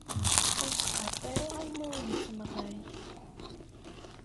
Ur d-qqaret ara ayen ur nettemɣay!